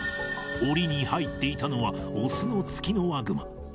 おりに入っていたのは、雄のツキノワグマ。